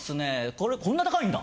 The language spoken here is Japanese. これこんな高いんだ。